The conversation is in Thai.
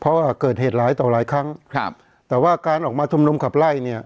เพราะว่าเกิดเหตุหลายต่อหลายครั้งครับแต่ว่าการออกมาชุมนุมขับไล่เนี่ย